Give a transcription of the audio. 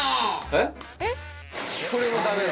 えっ？